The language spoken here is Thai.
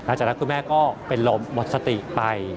จากนั้นคุณแม่ก็เป็นลมหมดสติไป